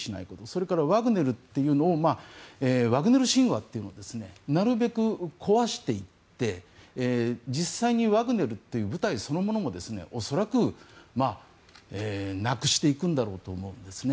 それからワグネルというのをワグネル神話というのをなるべく壊していって実際にワグネルという部隊そのものも恐らく、なくしていくんだろうと思うんですね。